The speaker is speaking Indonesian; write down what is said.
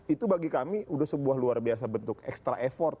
itu bagi kami sudah sebuah luar biasa bentuk extra effort